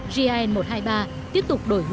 vậy là kết thúc rồi